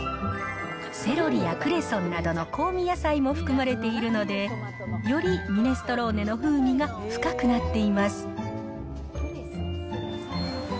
セロリやクレソンなどの香味野菜も含まれているので、よりミネストローネの風味が深くなっています。